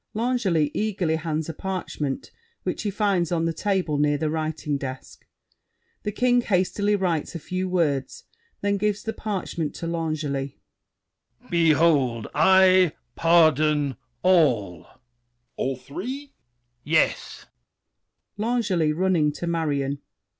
[L'Angely eagerly hands a parchment which he finds on the table near the writing desk. The King hastily writes a few words, then gives the parchment back to L'Angely. Behold! I pardon all. L'ANGELY. All three? THE KING. Yes. L'ANGELY (running to Marion).